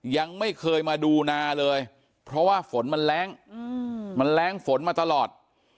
ยังไม่เคยมาดูนาเลยเพราะว่าฝนมันแรงมันแรงฝนมาตลอด